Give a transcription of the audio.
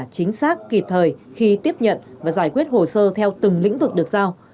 chính xác kịp thời khi tiếp nhận và giải quyết hồ sơ theo từng lĩnh vực được giao